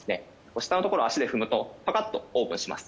下のところ足で踏むとパカッとオープンします。